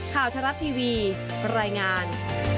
ข่าวทรัพย์ทีวีรายงาน